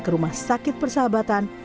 ke rumah sakit persahabatan